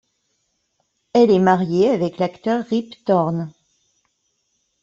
Elle est mariée avec l'acteur Rip Torn.